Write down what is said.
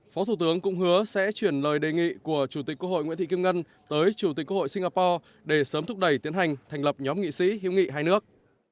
phó thủ tướng cũng hứa sẽ chuyển lời đề nghị của chủ tịch quốc hội nguyễn thị kim ngân tới chủ tịch quốc hội singapore để sớm thúc đẩy tiến hành thành lập nhóm nghị sĩ hữu nghị hai nước